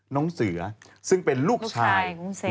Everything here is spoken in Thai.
น้องเสือซึ่งเป็นลูกชาย